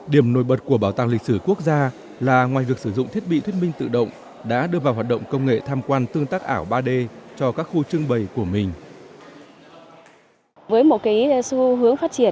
điểm nổi bật của bảo tàng lịch sử quốc gia là ngoài việc sử dụng thiết bị thuyết minh tự động đã đưa vào hoạt động công nghệ tham quan tương tác ảo ba d cho các khu trưng bày của mình